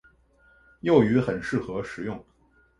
幼鱼很适合食用。